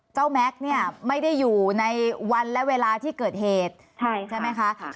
แม็กซ์เนี่ยไม่ได้อยู่ในวันและเวลาที่เกิดเหตุใช่ไหมคะ